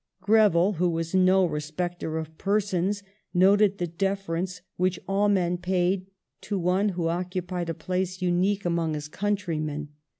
Greville, who was no respecter of persons, noted the deference which all men paid to one who occupied a place unique among his countrymen.